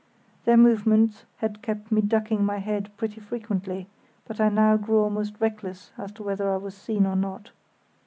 Their movements had kept me ducking my head pretty frequently, but I now grew almost reckless as to whether I was seen or not.